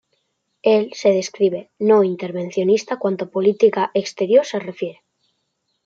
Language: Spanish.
Él se describe no intervencionista cuánto a política exterior se refiere.